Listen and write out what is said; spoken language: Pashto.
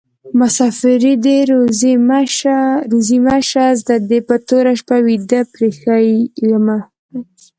مسافري دي روزي مشه: زه دي په توره شپه ويده پریښي يمه